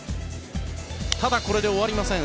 ただ、これで終わりません。